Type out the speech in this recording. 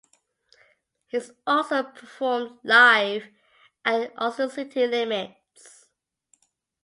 He's also performed live at Austin City Limits.